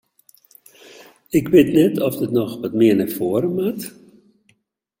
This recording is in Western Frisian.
Ik wit net oft it noch wat mear nei foaren moat?